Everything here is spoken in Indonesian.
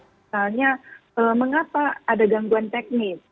misalnya mengapa ada gangguan teknis